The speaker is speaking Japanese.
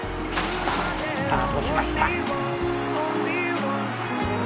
「スタートしました」